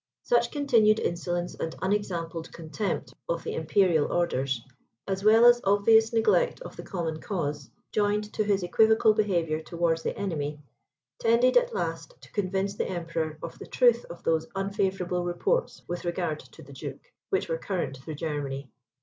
Such continued insolence and unexampled contempt of the Imperial orders, as well as obvious neglect of the common cause, joined to his equivocal behaviour towards the enemy, tended at last to convince the Emperor of the truth of those unfavourable reports with regard to the Duke, which were current through Germany.